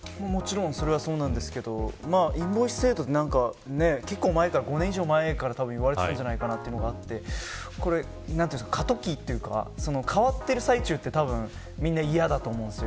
それはそうなんですけどインボイス制度って結構前から言われていたというのがあって過渡期というか変わっている最中はみんな嫌だと思うんです。